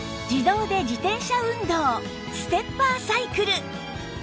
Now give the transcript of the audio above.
自動で自転車運動ステッパーサイクル